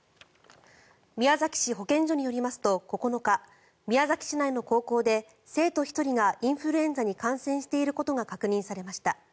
宮崎市保健所によりますと、９日宮崎市内の高校で生徒１人がインフルエンザに感染していることが確認されました。